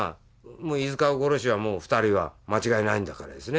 もう飯塚殺しはもう２人は間違いないんだからですね